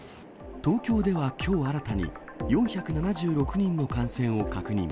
東京ではきょう新たに、４７６人の感染を確認。